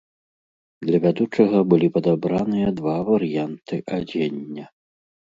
Для вядучага былі падабраныя два варыянты адзення.